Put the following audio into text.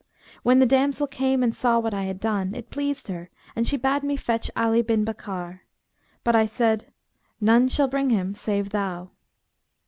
When the damsel came and saw what I had done, it pleased her and she bade me fetch Ali bin Bakkar; but I said, 'None shall bring him save thou.'